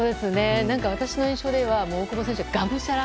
私の印象では大久保選手はがむしゃら。